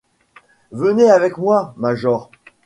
Venez avec moi, major.